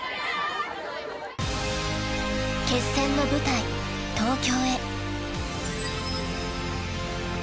［決戦の舞台東京へ］